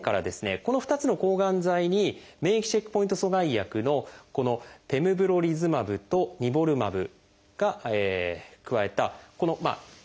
この２つの抗がん剤に免疫チェックポイント阻害薬のこの「ペムブロリズマブ」と「ニボルマブ」を加えたこの１２３